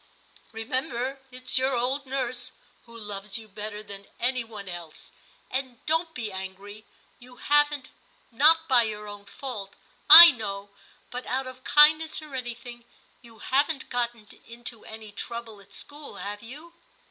— remember it's your old nurse, 244 TIM CHAP. who loves you better than any one else, and don't be angry, — you haven't, not by your own fault I know, but out of kindness or anything, you haven't got into any trouble at school, have you